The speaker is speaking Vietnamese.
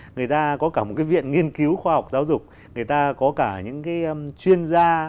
người ta có cả một cái viện nghiên cứu khoa học giáo dục người ta có cả những cái chuyên gia